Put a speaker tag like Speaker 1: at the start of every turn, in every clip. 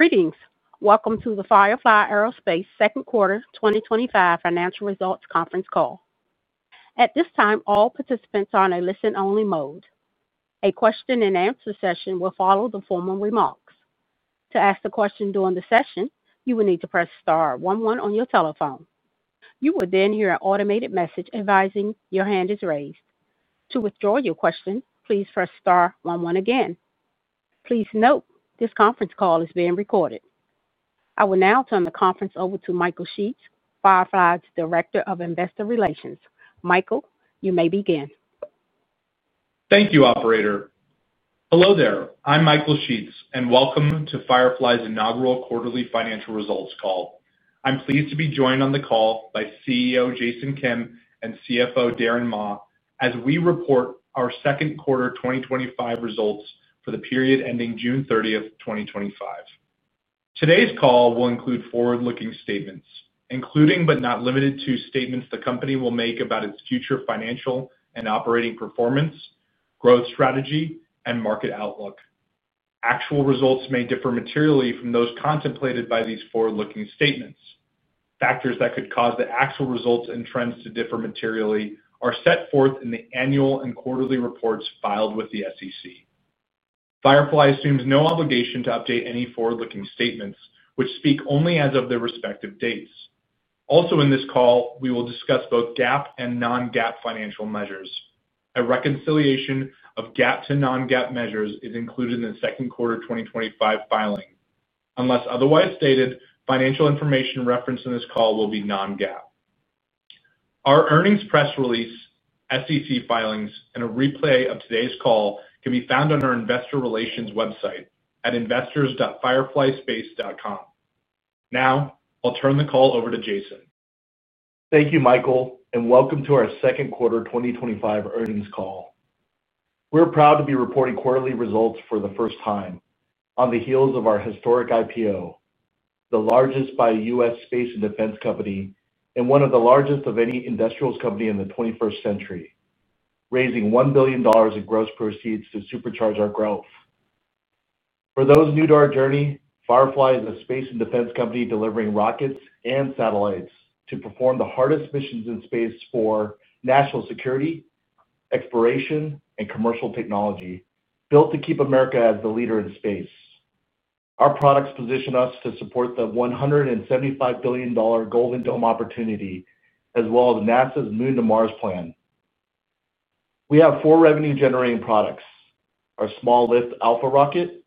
Speaker 1: Greetings. Welcome to the Firefly Aerospace Second Quarter 2025 Financial Results Conference Call. At this time, all participants are in a listen-only mode. A question-and-answer session will follow the formal remarks. To ask a question during the session, you will need to press star one one on your telephone. You will then hear an automated message advising your hand is raised. To withdraw your question, please press star one one again. Please note this conference call is being recorded. I will now turn the conference over to Michael Sheetz, Firefly's Director of Investor Relations. Michael, you may begin.
Speaker 2: Thank you, Operator. Hello there. I'm Michael Sheetz, and welcome to Firefly's Inaugural Quarterly Financial Results Call. I'm pleased to be joined on the call by CEO Jason Kim and CFO Darren Ma as we report our second quarter 2025 results for the period ending June 30th, 2025. Today's call will include forward-looking statements, including but not limited to statements the company will make about its future financial and operating performance, growth strategy, and market outlook. Actual results may differ materially from those contemplated by these forward-looking statements. Factors that could cause the actual results and trends to differ materially are set forth in the annual and quarterly reports filed with the SEC. Firefly assumes no obligation to update any forward-looking statements, which speak only as of their respective dates. Also in this call, we will discuss both GAAP and non-GAAP financial measures. A reconciliation of GAAP to non-GAAP measures is included in the second quarter 2025 filing. Unless otherwise stated, financial information referenced in this call will be non-GAAP. Our earnings press release, SEC filings, and a replay of today's call can be found on our investor relations website at investors.fireflyspace.com. Now, I'll turn the call over to Jason.
Speaker 3: Thank you, Michael, and welcome to our second quarter 2025 earnings call. We're proud to be reporting quarterly results for the first time on the heels of our historic IPO, the largest by a U.S. space and defense company and one of the largest of any industrials company in the 21st century, raising $1 billion in gross proceeds to supercharge our growth. For those new to our journey, Firefly is a space and defense company delivering rockets and satellites to perform the hardest missions in space for national security, exploration, and commercial technology, built to keep America as the leader in space. Our products position us to support the $175 billion Golden Dome opportunity, as well as NASA's Moon to Mars plan. We have four revenue-generating products: our small-lift Alpha rocket,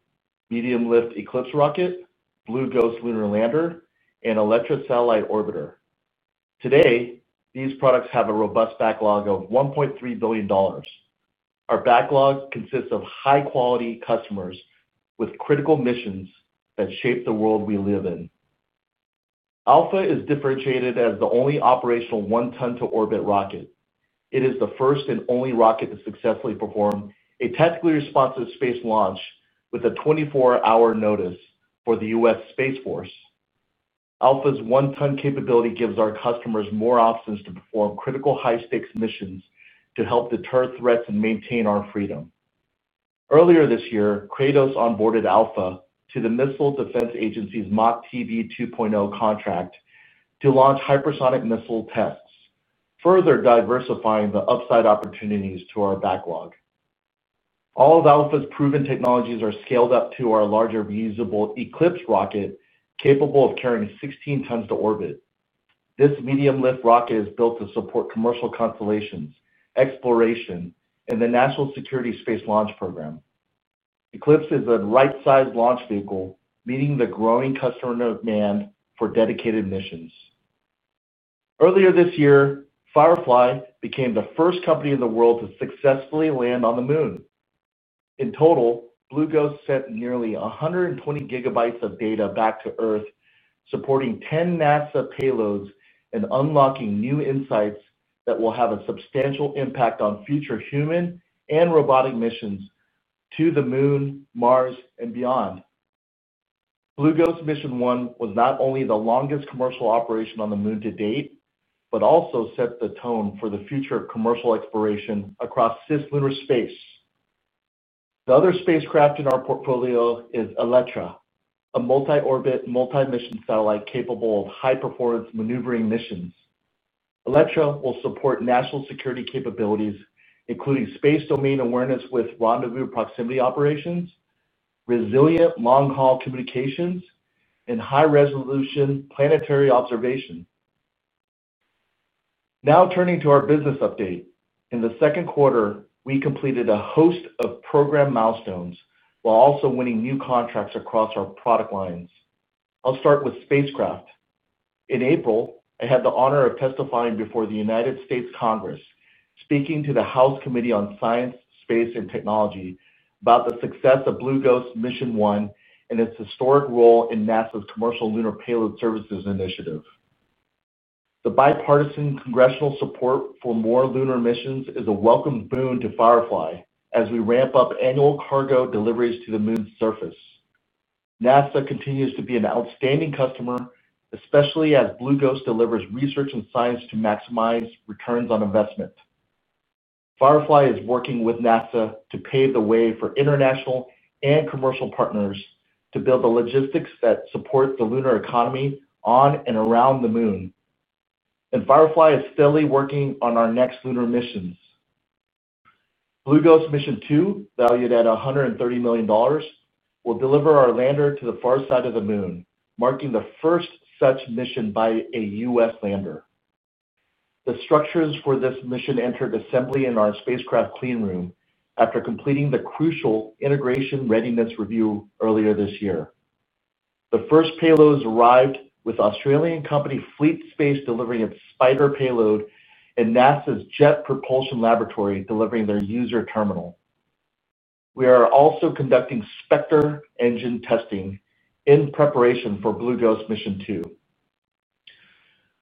Speaker 3: medium-lift Eclipse rocket, Blue Ghost lunar lander, and Elektra satellite orbiter. Today, these products have a robust backlog of $1.3 billion. Our backlogs consist of high-quality customers with critical missions that shape the world we live in. Alpha is differentiated as the only operational one-ton to orbit rocket. It is the first and only rocket to successfully perform a technically responsive space launch with a 24-hour notice for the U.S. Space Force. Alpha's one-ton capability gives our customers more options to perform critical high-stakes missions to help deter threats and maintain our freedom. Earlier this year, Alpha was onboarded to the Missile Defense Agency's Mock TV 2.0 contract to launch hypersonic missile tests, further diversifying the upside opportunities to our backlog. All of Alpha's proven technologies are scaled up to our larger reusable Eclipse rocket, capable of carrying 16 tons to orbit. This medium-lift rocket is built to support commercial constellations, exploration, and the National Security Space Launch Program. Eclipse is a right-sized launch vehicle, meeting the growing customer demand for dedicated missions. Earlier this year, Firefly became the first company in the world to successfully land on the Moon. In total, Blue Ghost sent nearly 120 GB of data back to Earth, supporting 10 NASA payloads and unlocking new insights that will have a substantial impact on future human and robotic missions to the Moon, Mars, and beyond. Blue Ghost Mission 1 was not only the longest commercial operation on the Moon to date, but also set the tone for the future of commercial exploration across cislunar space. The other spacecraft in our portfolio is Elektra, a multi-orbit, multi-mission satellite capable of high-performance maneuvering missions. Elektra will support national security capabilities, including space domain awareness with rendezvous proximity operations, resilient long-haul communications, and high-resolution planetary observation. Now turning to our business update, in the second quarter, we completed a host of program milestones while also winning new contracts across our product lines. I'll start with spacecraft. In April, I had the honor of testifying before the United States Congress, speaking to the House Committee on Science, Space, and Technology about the success of Blue Ghost Mission 1 and its historic role in NASA's Commercial Lunar Payload Services Initiative. The bipartisan congressional support for more lunar missions is a welcome boon to Firefly as we ramp up annual cargo deliveries to the Moon's surface. NASA continues to be an outstanding customer, especially as Blue Ghost delivers research and science to maximize returns on investment. Firefly is working with NASA to pave the way for international and commercial partners to build the logistics that support the lunar economy on and around the Moon. Firefly is steadily working on our next lunar missions. Blue Ghost Mission 2, valued at $130 million, will deliver our lander to the far side of the Moon, marking the first such mission by a U.S. lander. The structures for this mission entered assembly in our spacecraft clean room after completing the crucial integration readiness review earlier this year. The first payloads arrived with Australian company Fleet Space delivering its Spider payload and NASA's Jet Propulsion Laboratory delivering their user terminal. We are also conducting Spectre engine testing in preparation for Blue Ghost Mission 2.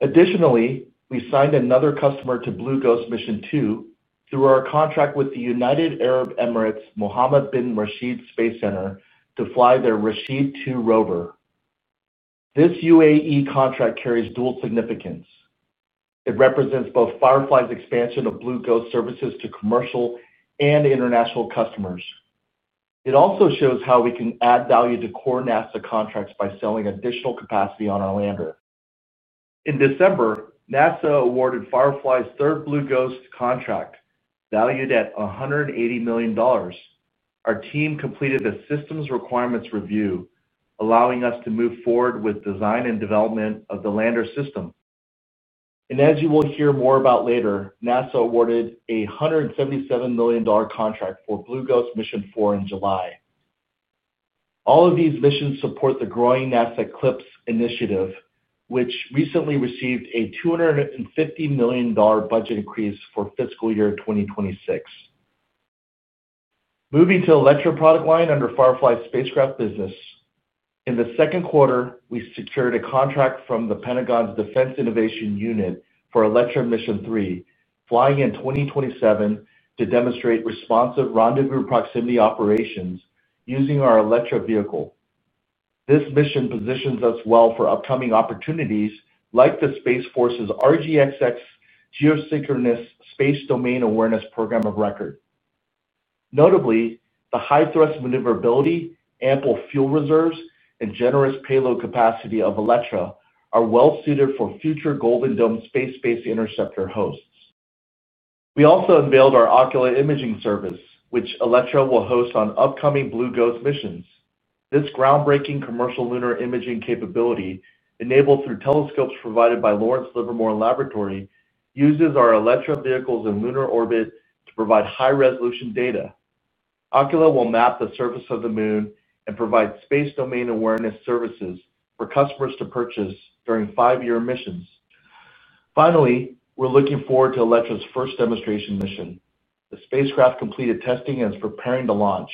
Speaker 3: Additionally, we signed another customer to Blue Ghost Mission 2 through our contract with the United Arab Emirates Mohammed bin Rashid Space Centre to fly their Rashid 2 rover. This UAE contract carries dual significance. It represents both Firefly Aerospace's expansion of Blue Ghost services to commercial and international customers. It also shows how we can add value to core NASA contracts by selling additional capacity on our lander. In December, NASA awarded Firefly's third Blue Ghost contract, valued at $180 million. Our team completed the systems requirements review, allowing us to move forward with design and development of the lander system. As you will hear more about later, NASA awarded a $177 million contract for Blue Ghost Mission 4 in July. All of these missions support the growing NASA Eclipse Initiative, which recently received a $250 million budget increase for fiscal year 2026. Moving to the Elektra product line under Firefly's spacecraft business, in the second quarter, we secured a contract from the Pentagon's Defense Innovation Unit for Elektra Mission 3, flying in 2027 to demonstrate responsive rendezvous proximity operations using our Elektra vehicle. This mission positions us well for upcoming opportunities like the Space Force's RG-XX geosynchronous space domain awareness program of record. Notably, the high thrust maneuverability, ample fuel reserves, and generous payload capacity of Elektra are well suited for future Golden Dome space-based interceptor hosts. We also unveiled our ocular imaging service, which Elektra will host on upcoming Blue Ghost missions. This groundbreaking commercial lunar imaging capability, enabled through telescopes provided by Lawrence Livermore Laboratory, uses our Elektra vehicles in lunar orbit to provide high-resolution data. Oculus will map the surface of the Moon and provide space domain awareness services for customers to purchase during five-year missions. Finally, we're looking forward to Elektra's first demonstration mission. The spacecraft completed testing and is preparing to launch.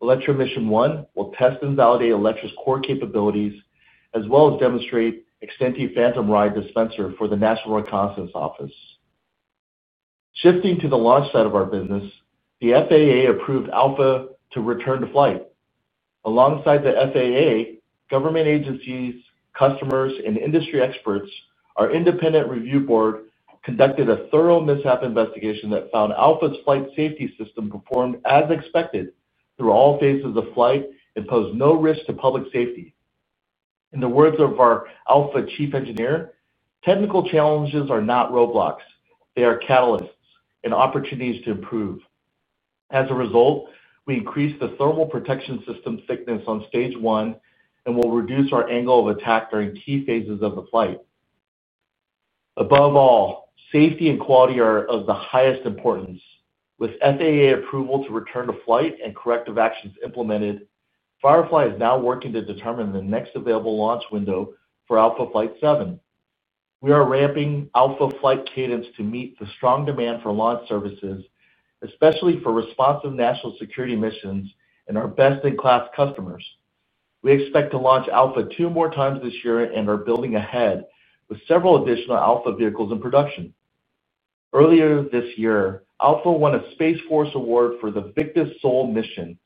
Speaker 3: Elektra Mission 1 will test and validate Elektra's core capabilities, as well as demonstrate Extenti Phantom Ride dispenser for the National Reconnaissance Office. Shifting to the launch site of our business, the FAA approved Alpha to return to flight. Alongside the FAA, government agencies, customers, and industry experts, our independent review board conducted a thorough mishap investigation that found Alpha's flight safety system performed as expected through all phases of flight and posed no risk to public safety. In the words of our Alpha Chief Engineer, "Technical challenges are not roadblocks. They are catalysts and opportunities to improve." As a result, we increased the thermal protection system thickness on stage one and will reduce our angle of attack during key phases of the flight. Above all, safety and quality are of the highest importance. With FAA approval to return to flight and corrective actions implemented, Firefly is now working to determine the next available launch window for Alpha Flight 7. We are ramping Alpha Flight cadence to meet the strong demand for launch services, especially for responsive national security missions and our best-in-class customers. We expect to launch Alpha two more times this year and are building ahead with several additional Alpha vehicles in production. Earlier this year, Alpha won a U.S. Space Force award for the VICTUS SOL mission,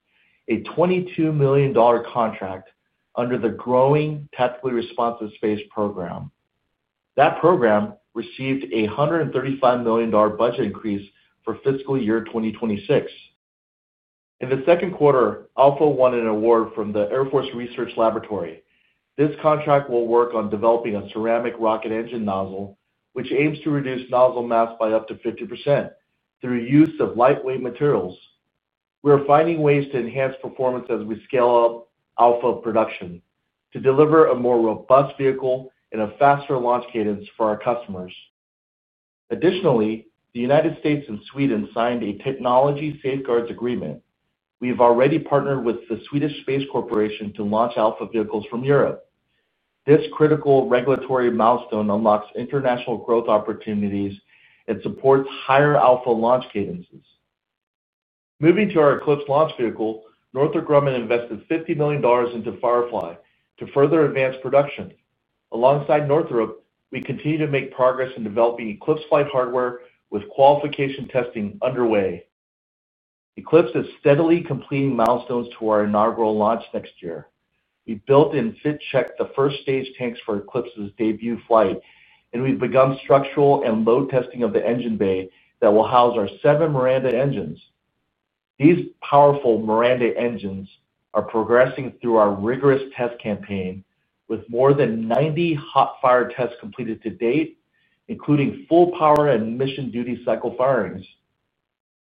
Speaker 3: a $22 million contract under the growing Tactically Responsive Space program. That program received a $135 million budget increase for fiscal year 2026. In the second quarter, Alpha won an award from the Air Force Research Laboratory. This contract will work on developing a ceramic rocket engine nozzle, which aims to reduce nozzle mass by up to 50% through the use of lightweight materials. We are finding ways to enhance performance as we scale up Alpha production to deliver a more robust vehicle and a faster launch cadence for our customers. Additionally, the United States and Sweden signed a technology safeguards agreement. We have already partnered with the Swedish Space Corporation to launch Alpha vehicles from Europe. This critical regulatory milestone unlocks international growth opportunities and supports higher Alpha launch cadences. Moving to our Eclipse launch vehicle, Northrop Grumman invested $50 million into Firefly to further advance production. Alongside Northrop, we continue to make progress in developing Eclipse flight hardware with qualification testing underway. Eclipse is steadily completing milestones to our inaugural launch next year. We built and fit checked the first stage tanks for Eclipse's debut flight, and we've begun structural and load testing of the engine bay that will house our seven Miranda engines. These powerful Miranda engines are progressing through our rigorous test campaign, with more than 90 hot fire tests completed to date, including full power and mission duty cycle firings.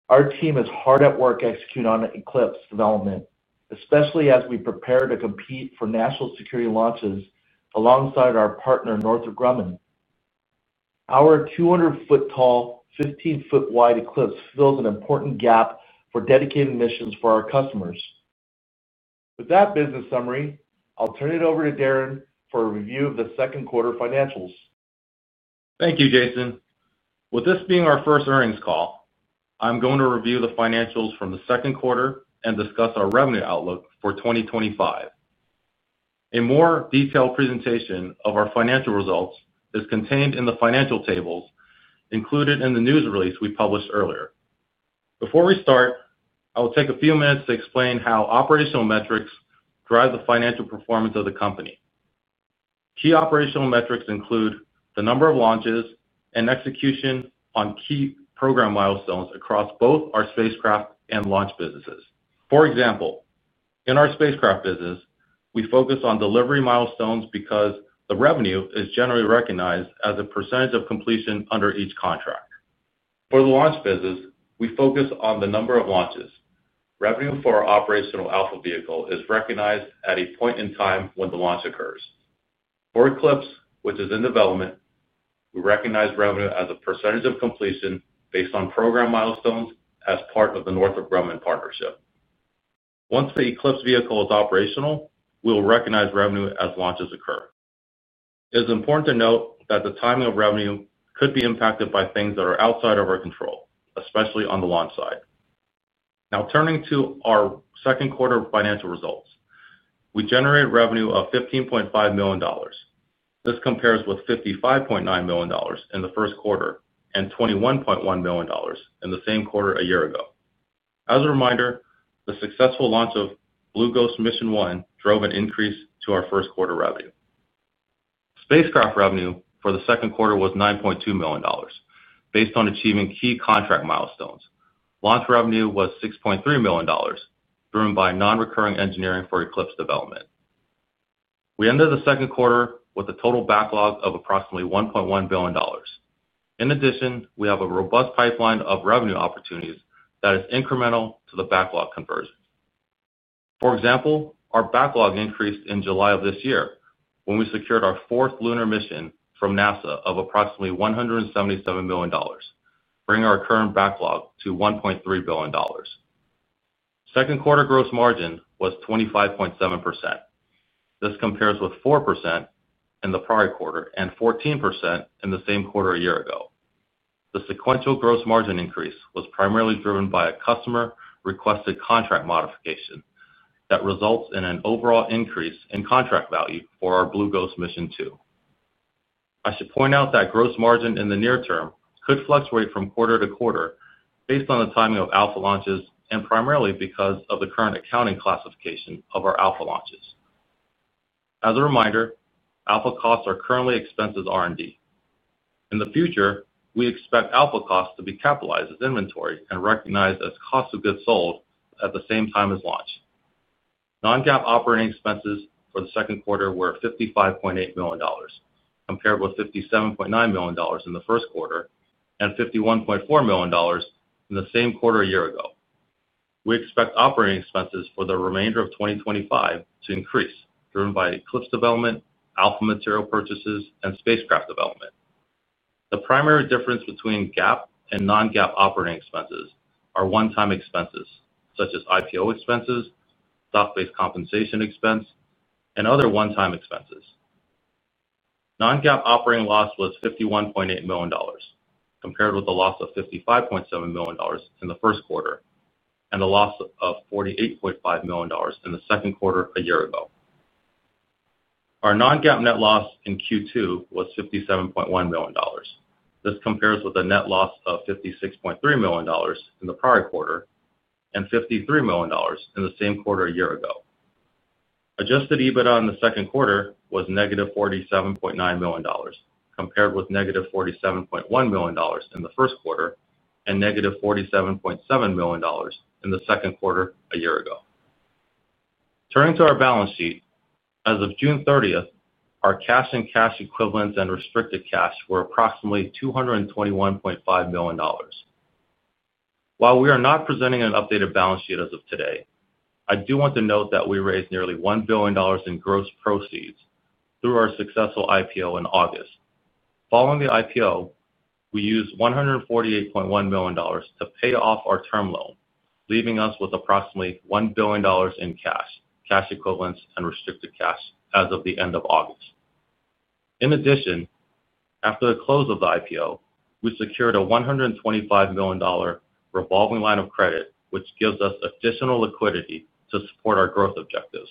Speaker 3: Our team is hard at work executing on Eclipse development, especially as we prepare to compete for national security launches alongside our partner, Northrop Grumman. Our 200 ft tall, 15 ft wide Eclipse fills an important gap for dedicated missions for our customers. With that business summary, I'll turn it over to Darren for a review of the second quarter financials.
Speaker 4: Thank you, Jason. With this being our first earnings call, I'm going to review the financials from the second quarter and discuss our revenue outlook for 2025. A more detailed presentation of our financial results is contained in the financial tables included in the news release we published earlier. Before we start, I will take a few minutes to explain how operational metrics drive the financial performance of the company. Key operational metrics include the number of launches and execution on key program milestones across both our spacecraft and launch businesses. For example, in our spacecraft business, we focus on delivery milestones because the revenue is generally recognized as a percentage of completion under each contract. For the launch business, we focus on the number of launches. Revenue for our operational Alpha vehicle is recognized at a point in time when the launch occurs. For Eclipse, which is in development, we recognize revenue as a percentage of completion based on program milestones as part of the Northrop Grumman partnership. Once the Eclipse vehicle is operational, we will recognize revenue as launches occur. It is important to note that the timing of revenue could be impacted by things that are outside of our control, especially on the launch side. Now turning to our second quarter financial results, we generated revenue of $15.5 million. This compares with $55.9 million in the first quarter and $21.1 million in the same quarter a year ago. As a reminder, the successful launch of Blue Ghost Mission 1 drove an increase to our first quarter revenue. Spacecraft revenue for the second quarter was $9.2 million based on achieving key contract milestones. Launch revenue was $6.3 million, driven by non-recurring engineering for Eclipse development. We ended the second quarter with a total backlog of approximately $1.1 billion. In addition, we have a robust pipeline of revenue opportunities that is incremental to the backlog conversion. For example, our backlog increased in July of this year when we secured our fourth lunar mission from NASA of approximately $177 million, bringing our current backlog to $1.3 billion. Second quarter gross margin was 25.7%. This compares with 4% in the prior quarter and 14% in the same quarter a year ago. The sequential gross margin increase was primarily driven by a customer-requested contract modification that results in an overall increase in contract value for our Blue Ghost Mission 2. I should point out that gross margin in the near term could fluctuate from quarter-to-quarter based on the timing of Alpha launches and primarily because of the current accounting classification of our Alpha launches. As a reminder, Alpha costs are currently expensed R&D. In the future, we expect Alpha costs to be capitalized as inventory and recognized as cost of goods sold at the same time as launch. Non-GAAP operating expenses for the second quarter were $55.8 million, compared with $57.9 million in the first quarter and $51.4 million in the same quarter a year ago. We expect operating expenses for the remainder of 2025 to increase, driven by Eclipse development, Alpha material purchases, and spacecraft development. The primary difference between GAAP and non-GAAP operating expenses are one-time expenses, such as IPO expenses, stock-based compensation expense, and other one-time expenses. Non-GAAP operating loss was $51.8 million, compared with the loss of $55.7 million in the first quarter and the loss of $48.5 million in the second quarter a year ago. Our non-GAAP net loss in Q2 was $57.1 million. This compares with a net loss of $56.3 million in the prior quarter and $53 million in the same quarter a year ago. Adjusted EBITDA in the second quarter was -$47.9 million, compared with -$47.1 million in the first quarter and -$47.7 million in the second quarter a year ago. Turning to our balance sheet, as of June 30th, our cash and cash equivalents and restricted cash were approximately $221.5 million. While we are not presenting an updated balance sheet as of today, I do want to note that we raised nearly $1 billion in gross proceeds through our successful IPO in August. Following the IPO, we used $148.1 million to pay off our term loan, leaving us with approximately $1 billion in cash, cash equivalents, and restricted cash as of the end of August. In addition, after the close of the IPO, we secured a $125 million revolving line of credit, which gives us additional liquidity to support our growth objectives.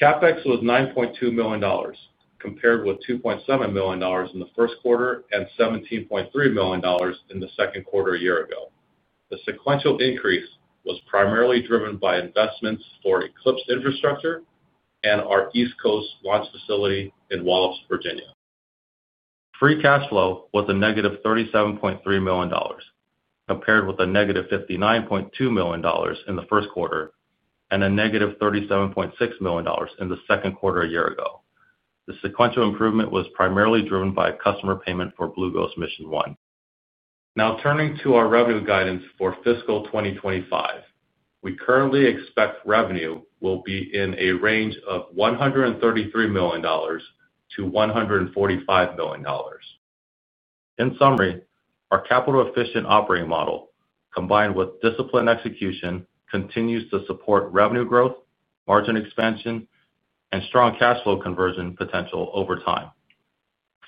Speaker 4: CapEx was $9.2 million, compared with $2.7 million in the first quarter and $17.3 million in the second quarter a year ago. The sequential increase was primarily driven by investments for Eclipse infrastructure and our East Coast launch facility in Wallops, Virginia. Free cash flow was -$37.3 million, compared with -$59.2 million in the first quarter and -$37.6 million in the second quarter a year ago. The sequential improvement was primarily driven by customer payment for Blue Ghost Mission 1. Now turning to our revenue guidance for fiscal 2025, we currently expect revenue will be in a range of $133 million-$145 million. In summary, our capital-efficient operating model, combined with disciplined execution, continues to support revenue growth, margin expansion, and strong cash flow conversion potential over time.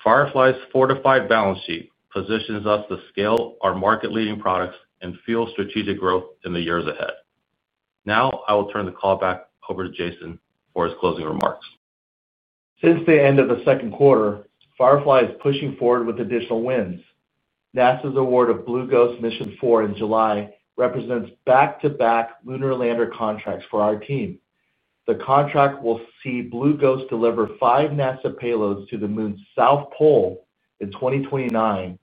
Speaker 4: Firefly's fortified balance sheet positions us to scale our market-leading products and fuel strategic growth in the years ahead. Now I will turn the call back over to Jason for his closing remarks.
Speaker 3: Since the end of the second quarter, Firefly is pushing forward with additional wins. NASA's award of Blue Ghost Mission 4 in July represents back-to-back lunar lander contracts for our team. The contract will see Blue Ghost deliver five NASA payloads to the Moon's South Pole in 2029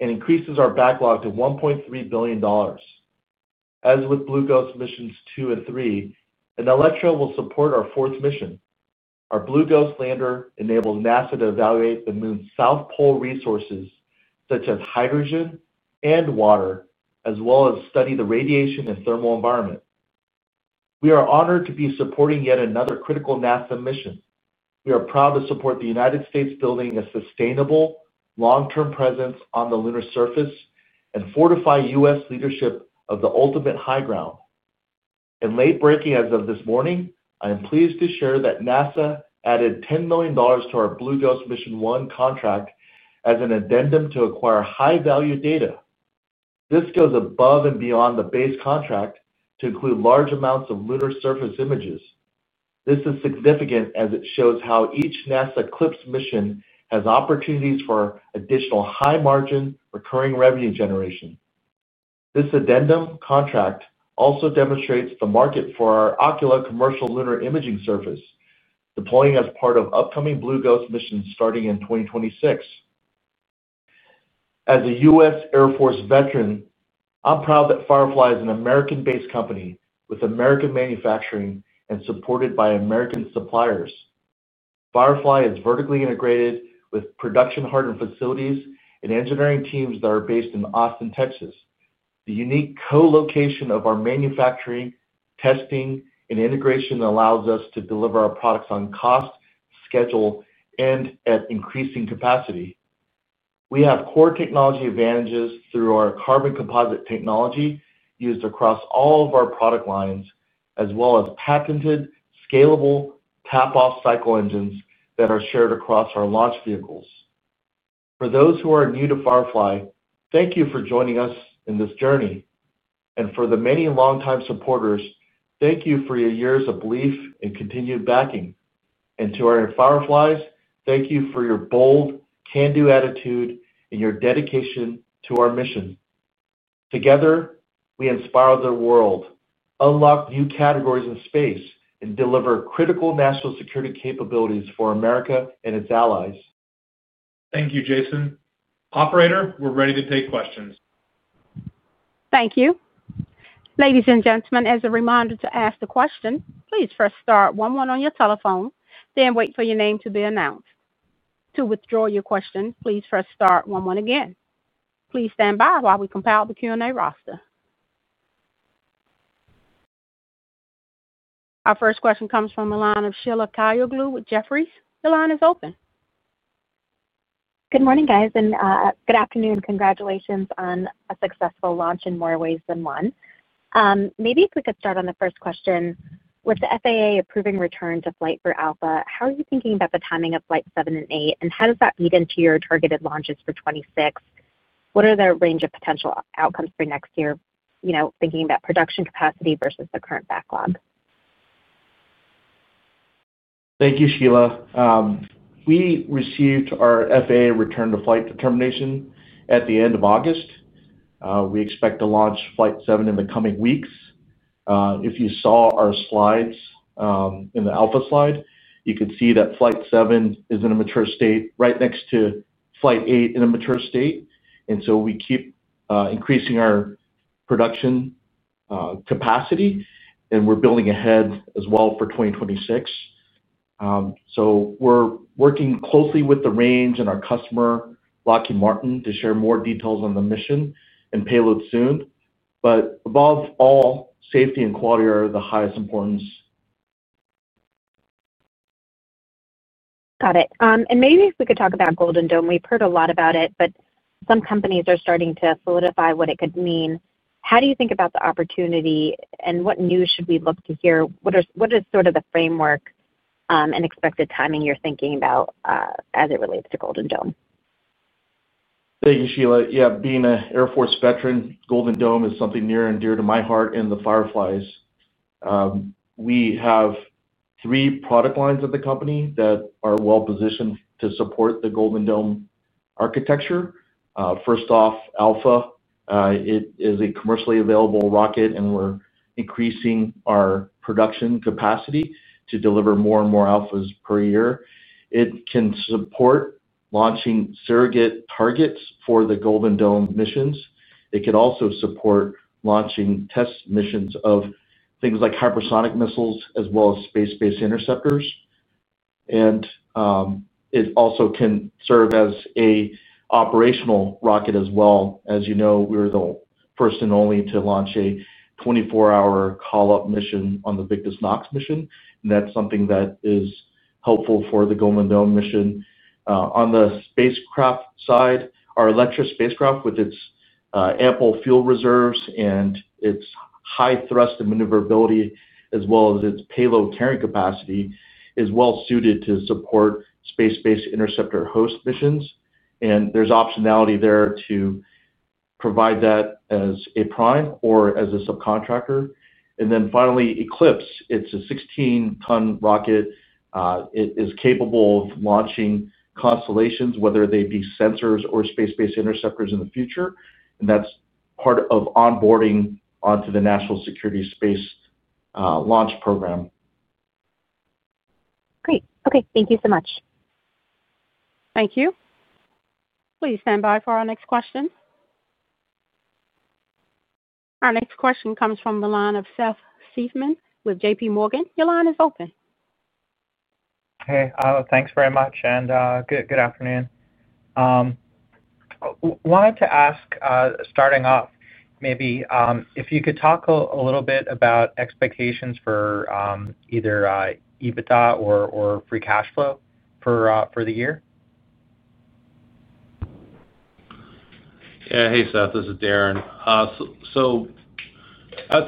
Speaker 3: and increases our backlog to $1.3 billion. As with Blue Ghost Missions 2 and 3, an Elektra will support our fourth mission. Our Blue Ghost lander enables NASA to evaluate the Moon's South Pole resources, such as hydrogen and water, as well as study the radiation and thermal environment. We are honored to be supporting yet another critical NASA mission. We are proud to support the United States building a sustainable, long-term presence on the lunar surface and fortify U.S. leadership of the ultimate high ground. In late breaking as of this morning, I am pleased to share that NASA added $10 million to our Blue Ghost Mission 1 contract as an addendum to acquire high-value data. This goes above and beyond the base contract to include large amounts of lunar surface images. This is significant as it shows how each NASA Eclipse mission has opportunities for additional high-margin recurring revenue generation. This addendum contract also demonstrates the market for our Oculus commercial lunar imaging service, deploying as part of upcoming Blue Ghost missions starting in 2026. As a U.S. Air Force veteran, I'm proud that Firefly is an American-based company with American manufacturing and supported by American suppliers. Firefly is vertically integrated with production hardware facilities and engineering teams that are based in Austin, Texas. The unique co-location of our manufacturing, testing, and integration allows us to deliver our products on cost, schedule, and at increasing capacity. We have core technology advantages through our carbon composite technology used across all of our product lines, as well as patented, scalable, tap-off cycle engines that are shared across our launch vehicles. For those who are new to Firefly, thank you for joining us in this journey. For the many long-time supporters, thank you for your years of belief and continued backing. To our Fireflies, thank you for your bold, can-do attitude and your dedication to our mission. Together, we inspire the world, unlock new categories in space, and deliver critical national security capabilities for America and its allies.
Speaker 2: Thank you, Jason. Operator, we're ready to take questions.
Speaker 1: Thank you. Ladies and gentlemen, as a reminder to ask a question, please press star one one on your telephone, then wait for your name to be announced. To withdraw your question, please press star one one again. Please stand by while we compile the Q&A roster. Our first question comes from a line of Sheila Kahyaoglu with Jefferies. The line is open.
Speaker 5: Good morning, guys, and good afternoon. Congratulations on a successful launch in more ways than one. Maybe if we could start on the first question. With the FAA approving return to flight for Alpha, how are you thinking about the timing of Flight 7 and 8, and how does that feed into your targeted launches for 2026? What are the range of potential outcomes for next year, you know, thinking about production capacity versus the current backlog?
Speaker 3: Thank you, Sheila. We received our FAA return to flight determination at the end of August. We expect to launch flight seven in the coming weeks. If you saw our slides in the Alpha slide, you could see that Flight 7 is in a mature state right next to Flight 8 in a mature state. We keep increasing our production capacity, and we're building ahead as well for 2026. We're working closely with the range and our customer, Lockheed Martin, to share more details on the mission and payload soon. Above all, safety and quality are of the highest importance.
Speaker 5: Got it. Maybe if we could talk about Golden Dome. We've heard a lot about it, but some companies are starting to solidify what it could mean. How do you think about the opportunity, and what news should we look to hear? What is the framework and expected timing you're thinking about as it relates to Golden Dome?
Speaker 3: Thank you, Sheila. Yeah, being an Air Force veteran, Golden Dome is something near and dear to my heart and the Fireflies. We have three product lines at the company that are well positioned to support the Golden Dome architecture. First off, Alpha. It is a commercially available rocket, and we're increasing our production capacity to deliver more and more Alphas per year. It can support launching surrogate targets for the Golden Dome missions. It could also support launching test missions of things like hypersonic missiles, as well as space-based interceptors. It also can serve as an operational rocket as well. As you know, we're the first and only to launch a 24-hour call-up mission on the VICTUS NOX mission, and that's something that is helpful for the Golden Dome mission. On the spacecraft side, our Elektra spacecraft, with its ample fuel reserves and its high thrust and maneuverability, as well as its payload carrying capacity, is well suited to support space-based interceptor host missions. There's optionality there to provide that as a prime or as a subcontractor. Finally, Eclipse. It's a 16-ton rocket. It is capable of launching constellations, whether they be sensors or space-based interceptors in the future. That's part of onboarding onto the National Security Space Launch Program.
Speaker 5: Great. OK, thank you so much.
Speaker 1: Thank you. Please stand by for our next question. Our next question comes from the line of Seth Seifman with JPMorgan. Your line is open.
Speaker 6: Hey, thanks very much, and good afternoon. Wanted to ask, starting off, maybe if you could talk a little bit about expectations for either EBITDA or free cash flow for the year.
Speaker 4: Yeah, hey, Seth. This is Darren. As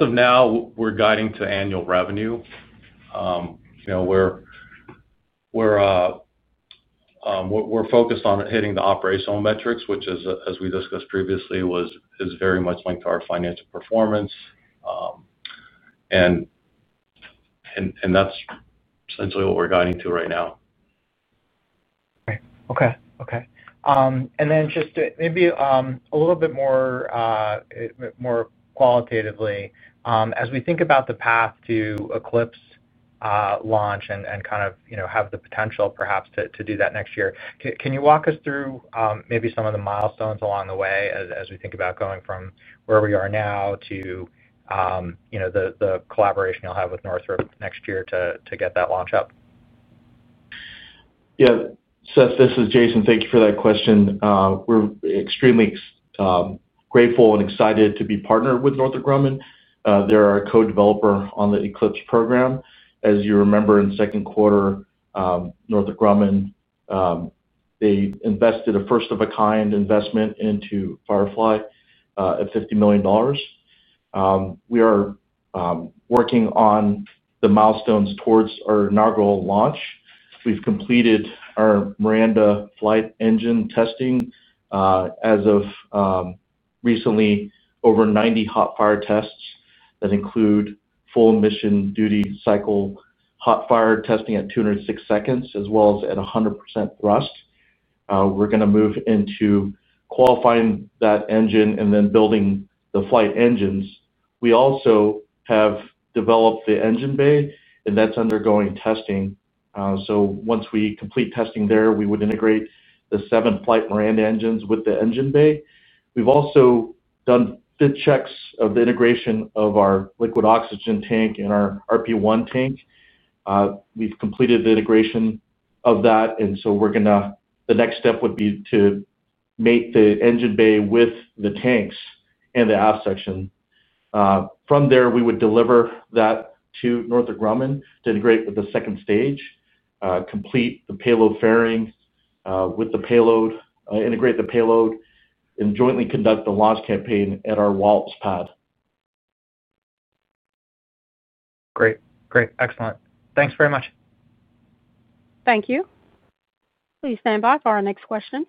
Speaker 4: of now, we're guiding to annual revenue. We're focused on hitting the operational metrics, which is, as we discussed previously, very much linked to our financial performance. That's essentially what we're guiding to right now.
Speaker 6: OK. Maybe a little bit more qualitatively, as we think about the path to Eclipse launch and kind of have the potential perhaps to do that next year, can you walk us through maybe some of the milestones along the way as we think about going from where we are now to the collaboration you'll have with Northrop next year to get that launch up?
Speaker 3: Yeah, Seth, this is Jason. Thank you for that question. We're extremely grateful and excited to be partnered with Northrop Grumman. They're our co-developer on the Eclipse program. As you remember, in the second quarter, Northrop Grumman invested a first-of-a-kind investment into Firefly of $50 million. We are working on the milestones towards our inaugural launch. We've completed our Miranda flight engine testing. As of recently, over 90 hot fire tests that include full mission duty cycle hot fire testing at 206 seconds, as well as at 100% thrust. We're going to move into qualifying that engine and then building the flight engines. We also have developed the engine bay, and that's undergoing testing. Once we complete testing there, we would integrate the seven flight Miranda engines with the engine bay. We've also done fit checks of the integration of our liquid oxygen tank and our RP-1 tank. We've completed the integration of that, and the next step would be to mate the engine bay with the tanks and the aft section. From there, we would deliver that to Northrop Grumman to integrate with the second stage, complete the payload fairing with the payload, integrate the payload, and jointly conduct the launch campaign at our Wallops pad.
Speaker 6: Great. Great. Excellent. Thanks very much.
Speaker 1: Thank you. Please stand by for our next question.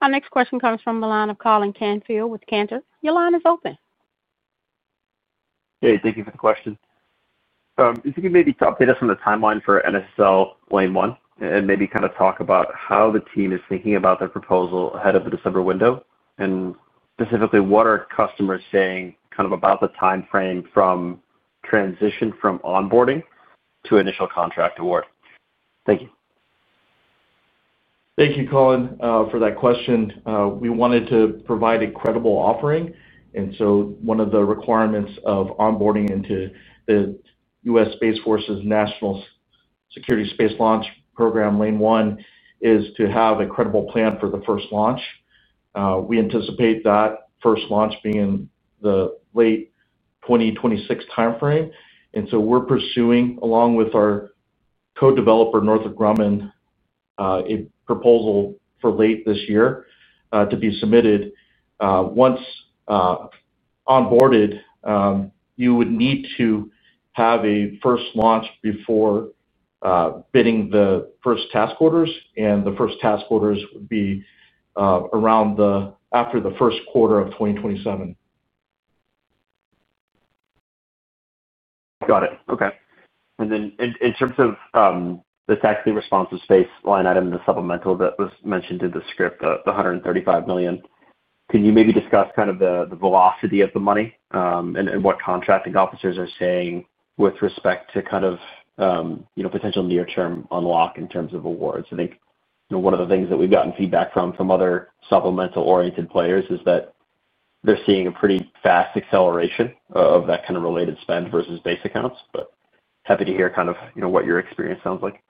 Speaker 1: Our next question comes from the line of Colin Canfield with Cantor. Your line is open.
Speaker 7: Hey, thank you for the question. If you could maybe update us on the timeline for NSSL Lane 1 and maybe kind of talk about how the team is thinking about that proposal ahead of the December window, and specifically what are customers saying about the time frame from transition from onboarding to initial contract award. Thank you.
Speaker 3: Thank you, Colin, for that question. We wanted to provide a credible offering. One of the requirements of onboarding into the U.S. Space Force's National Security Space Launch Program, Lane 1, is to have a credible plan for the first launch. We anticipate that first launch being in the late 2026 time frame. We are pursuing, along with our co-developer Northrop Grumman, a proposal for late this year to be submitted. Once onboarded, you would need to have a first launch before bidding the first task orders, and the first task orders would be around after the first quarter of 2027.
Speaker 7: Got it. OK. In terms of the tactically responsive space line item and the supplemental that was mentioned in the script, the $135 million, can you maybe discuss the velocity of the money and what contracting officers are saying with respect to potential near-term unlock in terms of awards? I think one of the things that we've gotten feedback from other supplemental-oriented players is that they're seeing a pretty fast acceleration of that related spend versus base accounts. Happy to hear what your experience sounds like.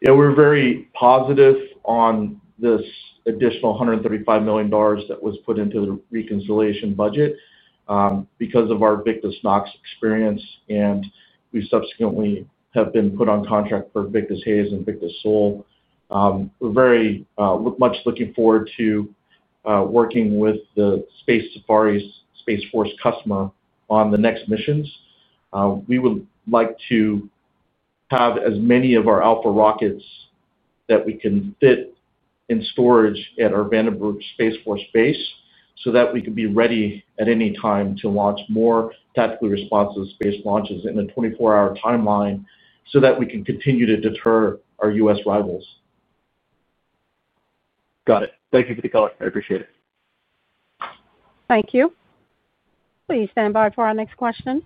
Speaker 3: Yeah, we're very positive on this additional $135 million that was put into the reconciliation budget because of our VICTUS NOX experience, and we subsequently have been put on contract for VICTUS HAZE and VICTUS SOL. We're very much looking forward to working with the Space Safari Space Force customer on the next missions. We would like to have as many of our Alpha rockets as we can fit in storage at our Vandenberg Space Force Base so that we could be ready at any time to launch more tactically responsive space launches in a 24-hour timeline, so that we can continue to deter our U.S. rivals.
Speaker 7: Got it. Thank you for the call. I appreciate it.
Speaker 1: Thank you. Please stand by for our next question.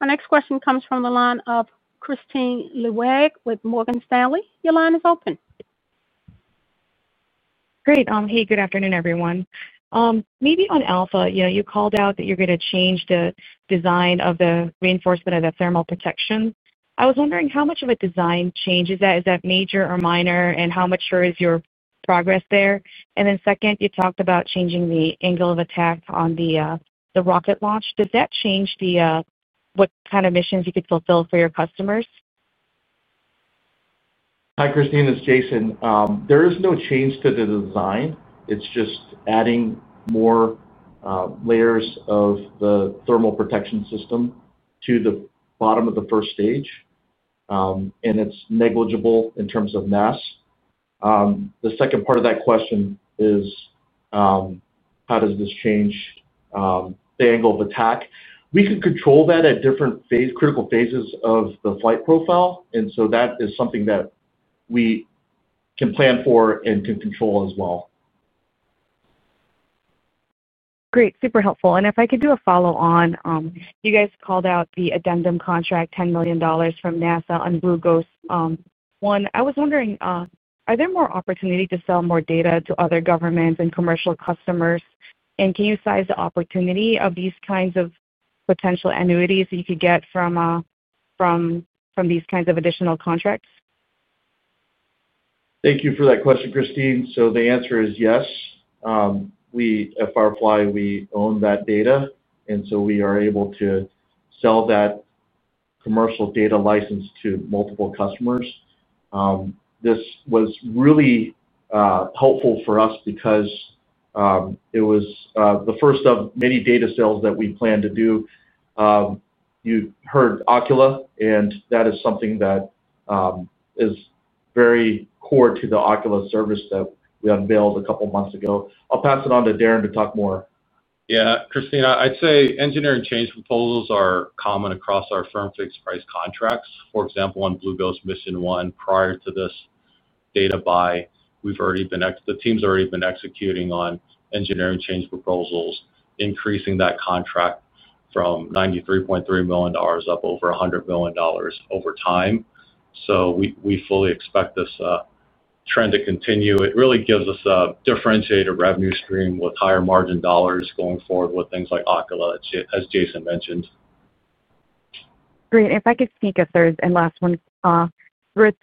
Speaker 1: Our next question comes from the line of Kristine Liwag with Morgan Stanley. Your line is open.
Speaker 8: Great. Hey, good afternoon, everyone. Maybe on Alpha, you know, you called out that you're going to change the design of the reinforcement of the thermal protection. I was wondering how much of a design change is that? Is that major or minor, and how mature is your progress there? Then, you talked about changing the angle of attack on the rocket launch. Did that change what kind of missions you could fulfill for your customers?
Speaker 3: Hi, Kristine. It's Jason. There is no change to the design. It's just adding more layers of the thermal protection system to the bottom of the first stage, and it's negligible in terms of mass. The second part of that question is how does this change the angle of attack? We can control that at different critical phases of the flight profile, and that is something that we can plan for and can control as well.
Speaker 8: Great. Super helpful. If I could do a follow-on, you guys called out the addendum contract, $10 million from NASA on Blue Ghost Mission 1. I was wondering, are there more opportunities to sell more data to other governments and commercial customers? Can you size the opportunity of these kinds of potential annuities that you could get from these kinds of additional contracts?
Speaker 3: Thank you for that question, Kristine. The answer is yes. At Firefly, we own that data, and we are able to sell that commercial data license to multiple customers. This was really helpful for us because it was the first of many data sales that we planned to do. You heard Oculus, and that is something that is very core to the Oculus service that we unveiled a couple of months ago. I'll pass it on to Darren to talk more.
Speaker 4: Yeah, Kristine, I'd say engineering change proposals are common across our firm-fixed price contracts. For example, on Blue Ghost Mission 1, prior to this data buy, the team's already been executing on engineering change proposals, increasing that contract from $93.3 million up over $100 million over time. We fully expect this trend to continue. It really gives us a differentiated revenue stream with higher margin dollars going forward with things like Oculus, as Jason mentioned.
Speaker 8: Great. If I could sneak a third and last one.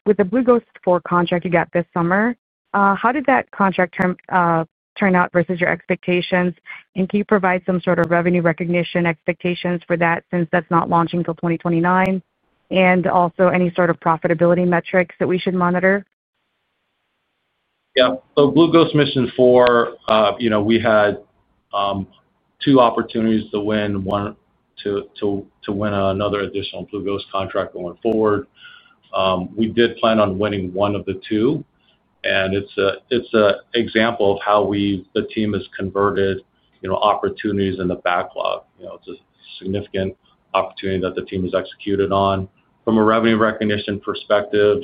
Speaker 8: With the Blue Ghost Mission 4 contract you got this summer, how did that contract term turn out versus your expectations? Can you provide some sort of revenue recognition expectations for that since that's not launching till 2029? Also, any sort of profitability metrics that we should monitor?
Speaker 4: Yeah, so Blue Ghost Mission 4, you know, we had two opportunities to win, one to win another additional Blue Ghost contract going forward. We did plan on winning one of the two, and it's an example of how the team has converted opportunities in the backlog. It's a significant opportunity that the team has executed on. From a revenue recognition perspective,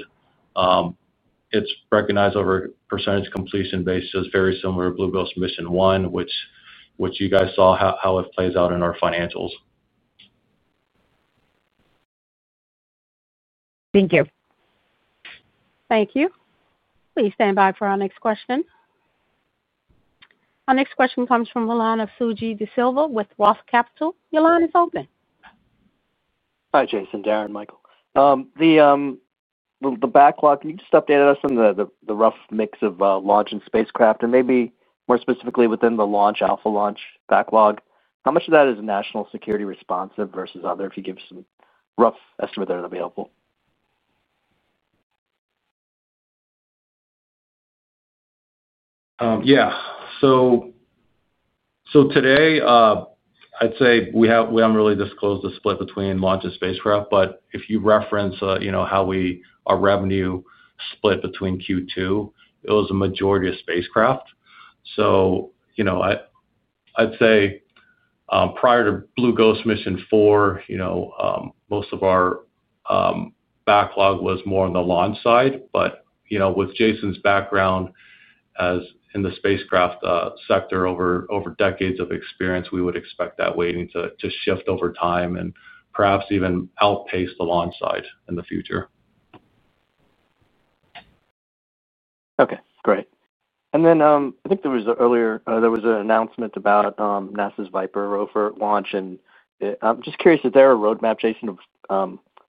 Speaker 4: it's recognized over a percentage completion basis very similar to Blue Ghost Mission 1, which you guys saw how it plays out in our financials.
Speaker 8: Thank you.
Speaker 1: Thank you. Please stand by for our next question. Our next question comes from the line of Suji de Silva with Roth Capital. Your line is open.
Speaker 9: Hi, Jason. Darren, Michael. The backlog, you just updated us on the rough mix of launch and spacecraft, and maybe more specifically within the launch, Alpha launch backlog. How much of that is national security responsive versus other, if you give some rough estimate there that would be helpful?
Speaker 4: Yeah, so today, I'd say we haven't really disclosed the split between launch and spacecraft, but if you reference how our revenue split between Q2, it was a majority of spacecraft. I'd say prior to Blue Ghost Mission 4, most of our backlog was more on the launch side. With Jason's background in the spacecraft sector, over decades of experience, we would expect that weighting to shift over time and perhaps even outpace the launch side in the future.
Speaker 9: OK, great. I think there was earlier, there was an announcement about NASA's Viper rover launch. I'm just curious, is there a roadmap, Jason, of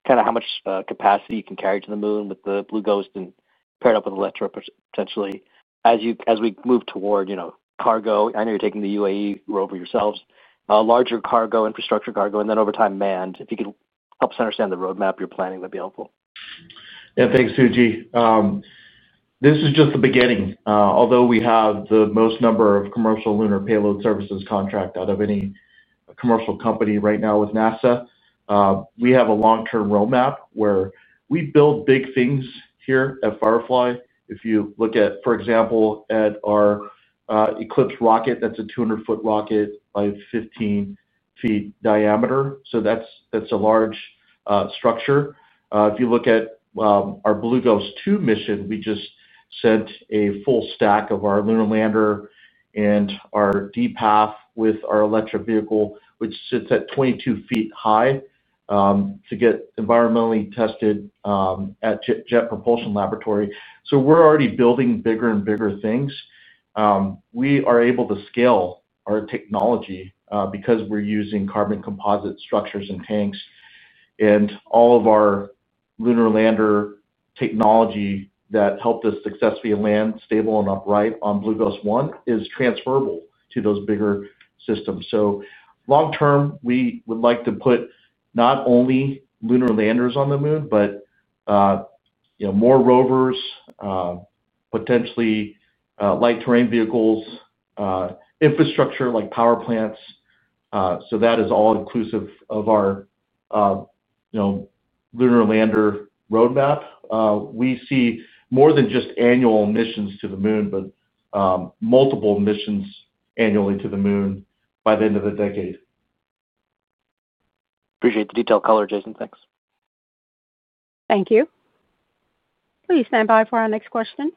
Speaker 9: kind of how much capacity you can carry to the Moon with the Blue Ghost and paired up with Elektra potentially as we move toward cargo? I know you're taking the UAE rover yourselves, a larger cargo, infrastructure cargo, and then over time manned. If you could help us understand the roadmap you're planning, that'd be helpful.
Speaker 3: Yeah, thanks, Suji. This is just the beginning. Although we have the most number of commercial lunar payload services contracts out of any commercial company right now with NASA, we have a long-term roadmap where we build big things here at Firefly. If you look at, for example, our Eclipse rocket, that's a 200 ft rocket by 15 ft diameter. That's a large structure. If you look at our Blue Ghost Mission 2, we just sent a full stack of our lunar lander and our DPAF with our Elektra vehicle, which sits at 22 ft high, to get environmentally tested at Jet Propulsion Laboratory. We're already building bigger and bigger things. We are able to scale our technology because we're using carbon composite structures and tanks. All of our lunar lander technology that helped us successfully land stable and upright on Blue Ghost Mission 1 is transferable to those bigger systems. Long term, we would like to put not only lunar landers on the Moon, but more rovers, potentially light terrain vehicles, infrastructure like power plants. That is all inclusive of our lunar lander roadmap. We see more than just annual missions to the Moon, but multiple missions annually to the Moon by the end of the decade.
Speaker 9: Appreciate the detailed color, Jason. Thanks.
Speaker 1: Thank you. Please stand by for our next question.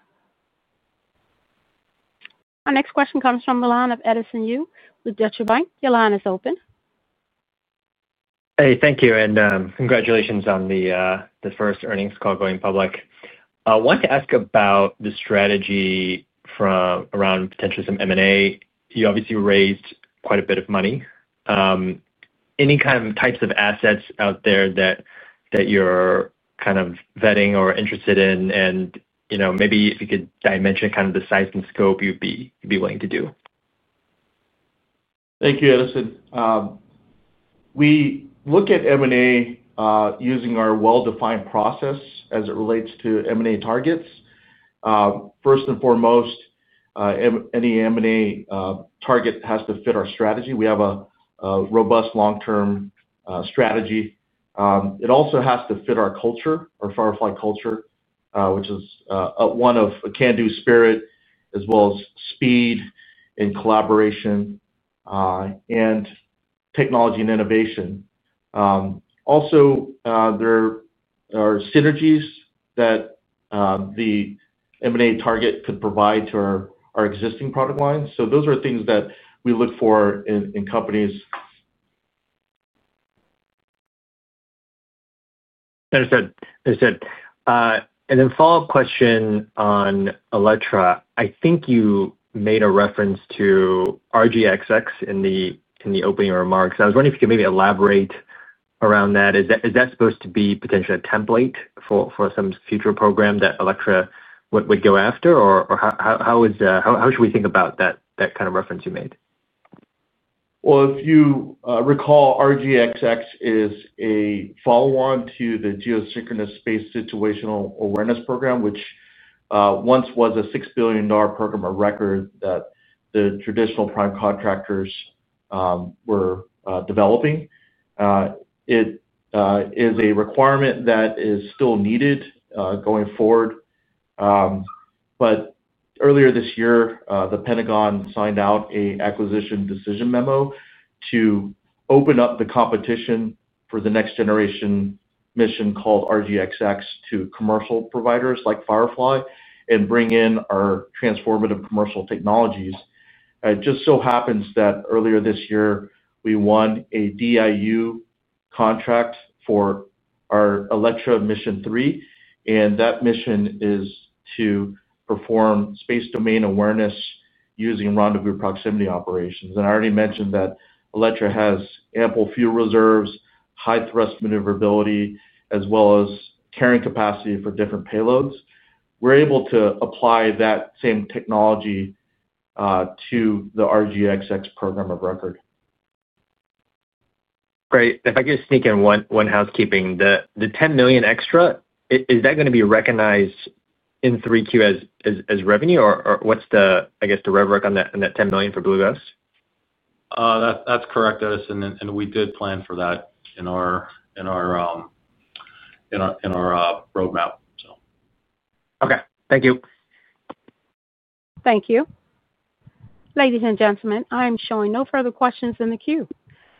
Speaker 1: Our next question comes from the line of Edison Yu with Deutsche Bank. Your line is open.
Speaker 10: Hey, thank you, and congratulations on the first earnings call going public. I want to ask about the strategy around potentially some M&A. You obviously raised quite a bit of money. Any kind of types of assets out there that you're kind of vetting or interested in? Maybe if you could dimension kind of the size and scope you'd be willing to do.
Speaker 3: Thank you, Edison. We look at M&A using our well-defined process as it relates to M&A targets. First and foremost, any M&A target has to fit our strategy. We have a robust long-term strategy. It also has to fit our culture, our Firefly culture, which is one of a can-do spirit, as well as speed and collaboration and technology and innovation. There are synergies that the M&A target could provide to our existing product lines. Those are things that we look for in companies.
Speaker 10: Understood. Then follow-up question on Elektra. I think you made a reference to RG-XX in the opening remarks. I was wondering if you could maybe elaborate around that. Is that supposed to be potentially a template for some future program that Elektra would go after? How should we think about that kind of reference you made?
Speaker 3: If you recall, RG-XX is a follow-on to the Geosynchronous Space Situational Awareness Program, which once was a $6 billion program of record that the traditional prime contractors were developing. It is a requirement that is still needed going forward. Earlier this year, the Pentagon signed out an acquisition decision memo to open up the competition for the next generation mission called RG-XX to commercial providers like Firefly and bring in our transformative commercial technologies. It just so happens that earlier this year, we won a DIU contract for our Elektra Mission 3. That mission is to perform space domain awareness using rendezvous proximity operations. I already mentioned that Elektra has ample fuel reserves, high thrust maneuverability, as well as carrying capacity for different payloads. We're able to apply that same technology to the RG-XX program of record.
Speaker 10: Great. If I could sneak in one housekeeping, the $10 million extra, is that going to be recognized in 3Q as revenue? Or what's the, I guess, the rubric on that $10 million for Blue Ghost?
Speaker 4: That's correct, Edison. We did plan for that in our roadmap.
Speaker 10: OK, thank you.
Speaker 1: Thank you. Ladies and gentlemen, I am showing no further questions in the queue.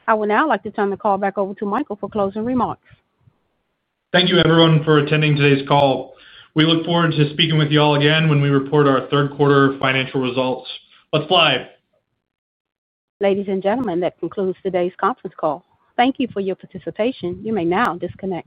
Speaker 1: I would now like to turn the call back over to Michael for closing remarks.
Speaker 2: Thank you, everyone, for attending today's call. We look forward to speaking with you all again when we report our third quarter financial results. Let's fly.
Speaker 1: Ladies and gentlemen, that concludes today's conference call. Thank you for your participation. You may now disconnect.